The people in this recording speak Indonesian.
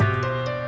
saya akan membuatnya